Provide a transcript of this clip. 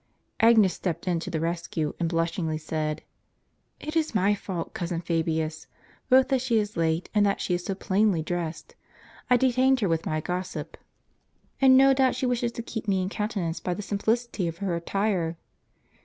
Agnes stepped in to the rescue, and blushingly said :" It is my fault, cousin Fabius, both that she is late and that she is so plainly dressed. I detained her with my gossip, and no doubt she wishes to keep me in coun tenance by the simplicity of her attire."